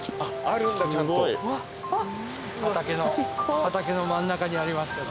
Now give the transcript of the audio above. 畑の真ん中にありますから。